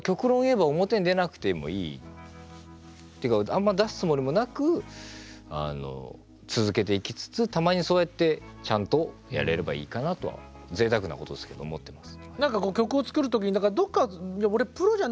あんま出すつもりもなく続けていきつつたまにそうやってちゃんとやれればいいかなとはぜいたくなことですけど思ってます。